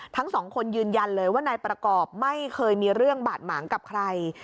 ทั้งสองคนยืนยันเลยว่านายประกอบไม่เคยมีเรื่องบาดหมางกับใคร